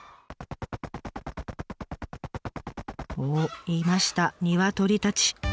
おっいましたニワトリたち。